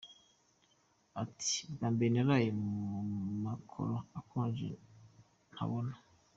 Ati “Bwa mbere naraye mu makaro akonje, ntabona.